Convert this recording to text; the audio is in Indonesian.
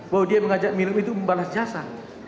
bahwa dia mengajak minum itu membalas jasa